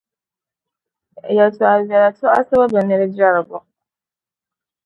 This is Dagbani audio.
Yɛtɔɣ’ viɛla tɔɣisibu bi mili jɛrigu.